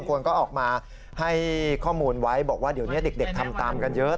คนก็ออกมาให้ข้อมูลไว้บอกว่าเดี๋ยวนี้เด็กทำตามกันเยอะ